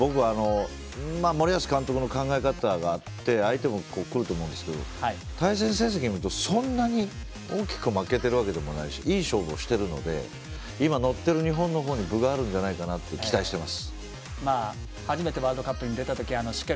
森保監督の考え方があって相手も来ると思うんですけど対戦成績見ると大きく負けてるわけでもないしいい勝負をしているので今、乗っている日本の方に分があるんじゃないかと期待しています。